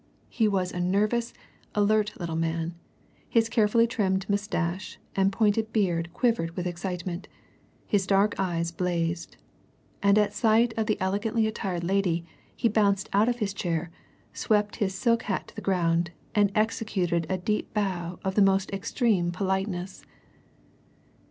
He was a nervous, alert little man; his carefully trimmed moustache and pointed beard quivered with excitement; his dark eyes blazed. And at sight of the elegantly attired lady he bounced out of his chair, swept his silk hat to the ground, and executed a deep bow of the most extreme politeness.